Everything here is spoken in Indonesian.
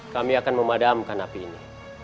kami akan memadamkan api ini